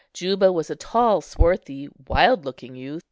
Juba was a tall, swarthy, wild looking youth.